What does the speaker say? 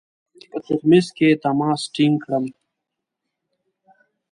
په ترمیز کې تماس ټینګ کړم.